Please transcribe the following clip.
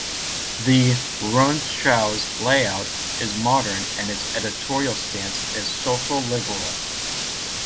The "Rundschau's" layout is modern and its editorial stance is social liberal.